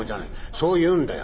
そう言うんだよ」。